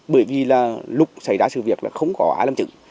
bởi vì lúc xảy ra sự việc là không có ai làm chữ